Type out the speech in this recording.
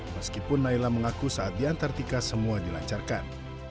meskipun naila mengaku saat di antartika semua dilancarkan